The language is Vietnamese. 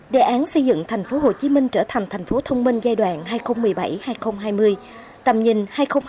đề án xây dựng thành phố hồ chí minh trở thành thành phố thông minh giai đoạn hai nghìn một mươi bảy hai nghìn hai mươi tầm nhìn hai nghìn hai mươi năm